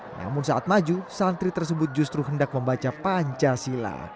namun saat maju santri tersebut justru hendak membaca pancasila